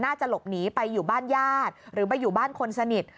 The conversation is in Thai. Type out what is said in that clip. น่าจะหลบหนีไปอยู่บ้านญาติหรือไปอยู่บ้านคนสนิท